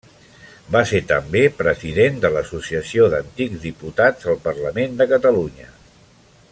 Va ser també president de l'Associació d'Antics Diputats al Parlament de Catalunya.